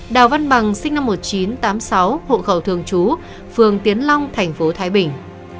đào văn bằng sinh năm một nghìn chín trăm tám mươi sáu hộ khẩu thường trú phường tiến long thành phố thái bình